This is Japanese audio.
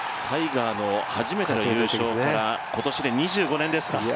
タイガーの初めての優勝から今年で２５年ですか。